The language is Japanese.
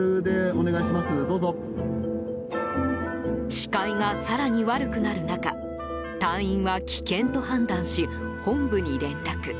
視界が更に悪くなる中隊員は危険と判断し本部に連絡。